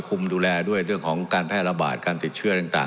ดูแลด้วยเรื่องของการแพร่ระบาดการติดเชื้อต่าง